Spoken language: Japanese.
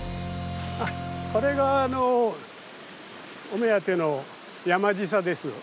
これがお目当ての「山ぢさ」です。